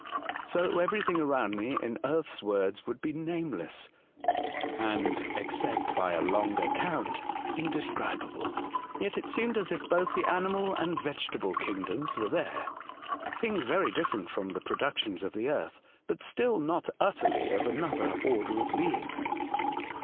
So every thing around me, in earth's words, would be nameless, and, except by a long account, in describable. Yet it seemed as if both the animal and vegetable kingdoms were there — things very different from the productions of the earth, but still not utterly of another order of being.